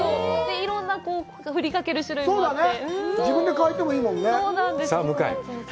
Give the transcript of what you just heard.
いろいろ振りかける種類もあって。